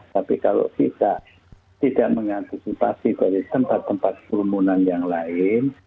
tapi kalau kita tidak mengantisipasi dari tempat tempat kerumunan yang lain